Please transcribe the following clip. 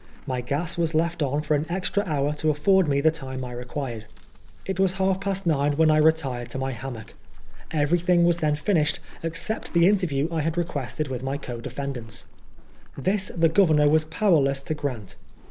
My gas was left on for an extra hour to afford me the time I required. It was half past nine when I retired to my hammock, Everything was then finished except the interview I had requested with my co defendants. This the Governor was powerless to grant.